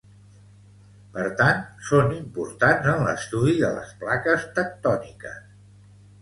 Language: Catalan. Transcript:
Per tant, són importants en l'estudi de les plaques tectòniques.